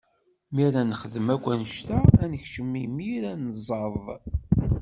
Mi ara nexdem akk anect-a, ad nekcem imir ad nẓeḍ.